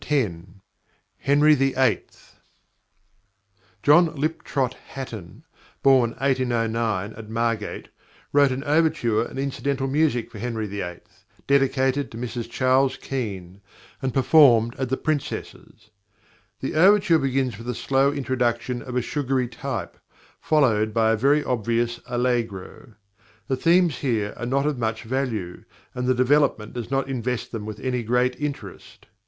HENRY VIII +John Liptrot Hatton+, born 1809 at Margate, wrote an overture and incidental music for Henry VIII., dedicated to Mrs Charles Kean, and performed at the Princess's. The overture begins with a slow introduction of a sugary type, followed by a very obvious allegro. The themes here are not of much value, and the development does not invest them with any great interest.